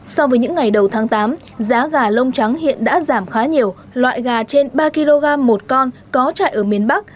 so với những ngày đầu tháng tám giá gà lông trắng hiện đã giảm khá nhiều loại gà trên ba kg một con có chạy ở miền bắc